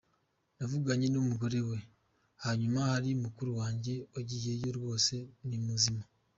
Navuganye n’umugore we, hanyuma hari mukuru wanjye wagiyeyo rwose nimuzima.